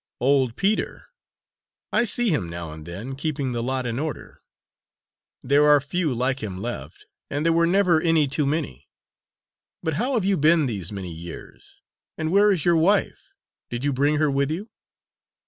"Old Peter! I see him, now and then, keeping the lot in order. There are few like him left, and there were never any too many. But how have you been these many years, and where is your wife? Did you bring her with you?"